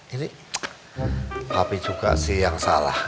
ini tapi juga sih yang salah